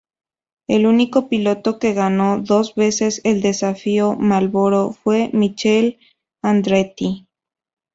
El único piloto que ganó dos veces el Desafío Marlboro fue Michael Andretti.